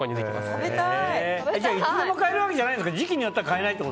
じゃあいつでも買えるわけじゃないんですか。